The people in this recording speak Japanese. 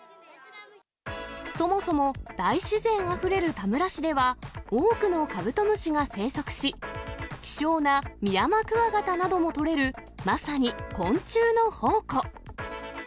そもそも大自然あふれる田村市では、多くのカブトムシが生息し、希少なミヤマクワガタなども捕れる、まさに昆虫の宝庫。